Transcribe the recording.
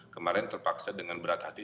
kemarin terpaksa dengan berat hati